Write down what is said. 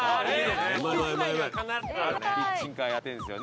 キッチンカーやってるんですよね。